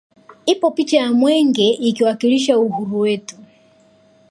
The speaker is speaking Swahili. Ipo picha ya mwenge ikiwakilisha uhuru wetu